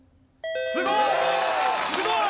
すごい！